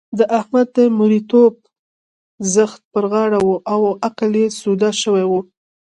د احمد د مرېيتوب ځغ پر غاړه وو او عقل يې سوده شوی وو.